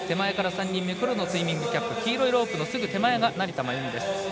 黒いスイミングキャップ黄色いロープのすぐ手前が成田真由美。